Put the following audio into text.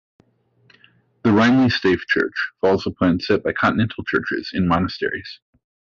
The Reinli stave church follows a plan set by continental churches in monasteries.